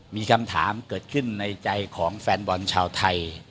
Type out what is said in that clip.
มีคำถามเกิดขึ้นในใจของแฟนบอลชาวไทย